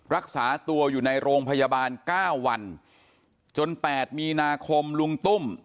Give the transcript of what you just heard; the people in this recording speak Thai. รักษาตัวอยู่ในโรงพยาบาล๙วันจน๘มีนาคมลุงตุ้ม